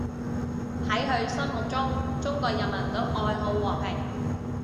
喺佢心目中，中國人民都愛好和平